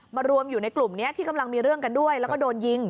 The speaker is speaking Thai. รวมอยู่ในกลุ่มนี้ที่กำลังมีเรื่องกันด้วยแล้วก็โดนยิง